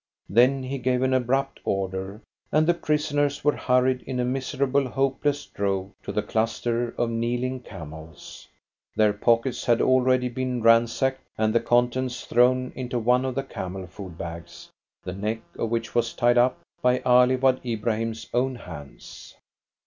Then he gave an abrupt order, and the prisoners were hurried in a miserable, hopeless drove to the cluster of kneeling camels. Their pockets had already been ransacked, and the contents thrown into one of the camel food bags, the neck of which was tied up by Ali Wad Ibrahim's own hands.